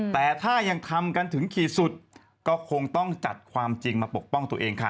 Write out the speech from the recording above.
แต่ถ้ายังทำกันถึงขีดสุดก็คงต้องจัดความจริงมาปกป้องตัวเองค่ะ